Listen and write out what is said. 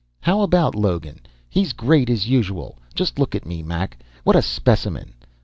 "How about Logan? He's great, as usual. Just look at me, Mac. What a specimen!"